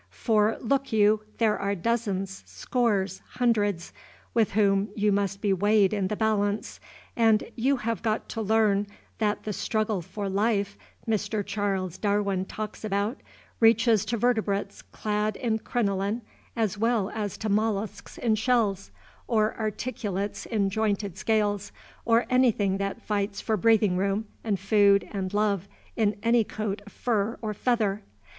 For, look you, there are dozens, scores, hundreds, with whom you must be weighed in the balance; and you have got to learn that the "struggle for life" Mr. Charles Darwin talks about reaches to vertebrates clad in crinoline, as well as to mollusks in shells, or articulates in jointed scales, or anything that fights for breathing room and food and love in any coat of fur or feather!